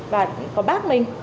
và có bác mình